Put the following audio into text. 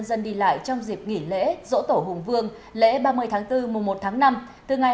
xin chào và hẹn gặp lại